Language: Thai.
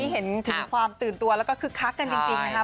เห็นถึงความตื่นตัวแล้วก็คึกคักกันจริงนะคะ